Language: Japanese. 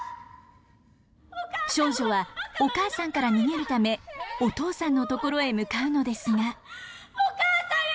少女はお母さんから逃げるためお父さんのところへ向かうのですが。